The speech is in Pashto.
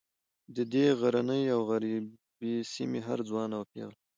د دې غرنۍ او غریبې سیمې هر ځوان او پیغله